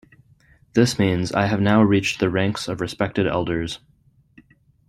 This means I have now reached the ranks of respected elders.